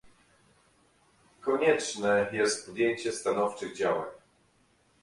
Konieczne jest podjęcie stanowczych działań